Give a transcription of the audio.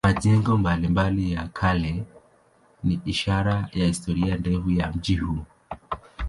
Majengo mbalimbali ya kale ni ishara ya historia ndefu ya mji huu.